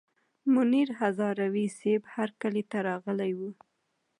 منیر هزاروي صیب هرکلي ته راغلي ول.